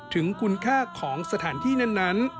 ถึงคุณค่าของสถานที่นั้น